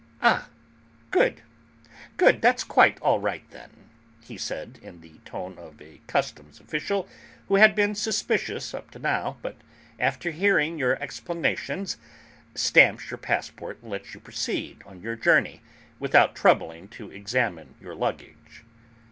"Ah, good, good; that's quite all right then," he said, in the tone of a customs official who has been suspicious up to now, but, after hearing your explanations, stamps your passport and lets you proceed on your journey without troubling to examine your luggage.